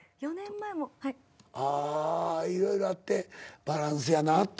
あ「いろいろあってバランスやなって思って」